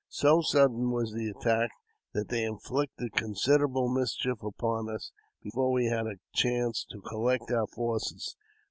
So sudden was the attack that they inflicted considerable mischief upon us before we had a chance to collect our forces.